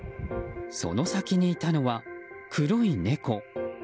その先にいたのは、黒い猫。